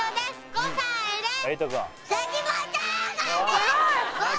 ５歳です！